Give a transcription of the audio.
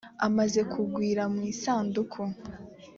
amaze kugwira mu isanduku